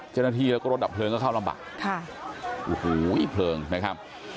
เจ้าหน้าที่แล้วก็รถดับเพลิงก็เข้าลำบากค่ะโอ้โหอีกเพลิงนะครับ